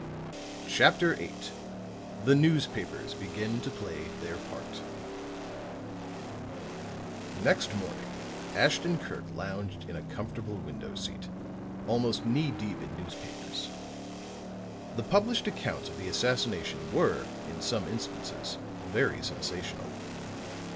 CHAPTER VIII THE NEWSPAPERS BEGIN TO PLAY THEIR PART Next morning Ashton Kirk lounged in a comfortable window seat, almost knee deep in newspapers. The published accounts of the assassination were, in some instances, very sensational.